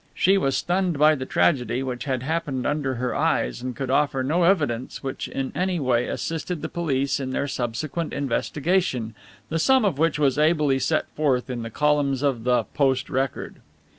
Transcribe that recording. She was stunned by the tragedy which had happened under her eyes and could offer no evidence which in any way assisted the police in their subsequent investigation, the sum of which was ably set forth in the columns of the Post Record.